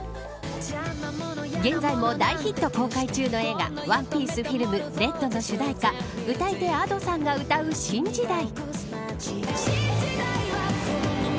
現在も大ヒット公開中の映画ＯＮＥＰＩＥＣＥＦＩＬＭＲＥＤの主題歌歌い手Ａｄｏさんが歌う新時代。